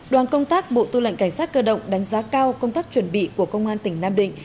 đoàn công tác bộ tư lệnh cảnh sát cơ động đánh giá cao công tác chuẩn bị của công an tỉnh nam định